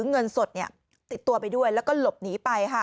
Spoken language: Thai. เงินสดติดตัวไปด้วยแล้วก็หลบหนีไปค่ะ